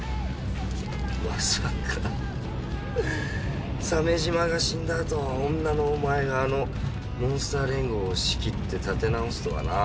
まさか鮫島が死んだあと女のお前があの悶主陀亞連合を仕切って立て直すとはな。